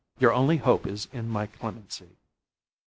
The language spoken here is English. Your only hope is in my clemency."